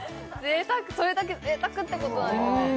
それだけ贅沢ってことなんですね